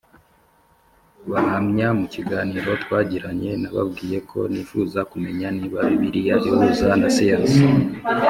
Bahamya mu kiganiro twagiranye nababwiye ko nifuzaga kumenya niba Bibiliya ihuza na siyansi